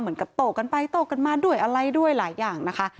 โตกันไปโต้กันมาด้วยอะไรด้วยหลายอย่างนะคะ